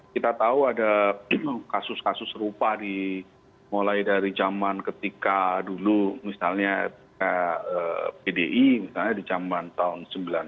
kita tahu ada kasus kasus serupa di mulai dari zaman ketika dulu misalnya pdi misalnya di zaman tahun sembilan puluh sembilan